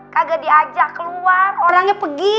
kagak diajak keluar orangnya pergi